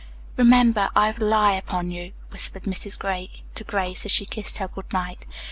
"Remember, I rely upon you," whispered Mrs. Gray to Grace as she kissed her good night.